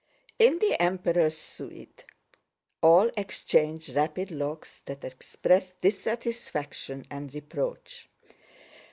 In the Emperor's suite all exchanged rapid looks that expressed dissatisfaction and reproach.